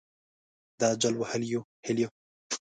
د جل وهلیو هِیلو